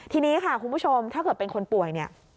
ทีนี้ค่ะคุณผู้ชมถ้าเกิดเป็นคนป่วยเนี่ย